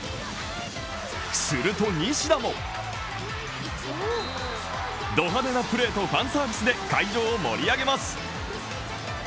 すると、西田もど派手なプレーとファンサービスで会場を盛り上げます。